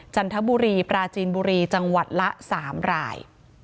จันทบุรีปราจีนบุรีจังหวัดละ๓ราย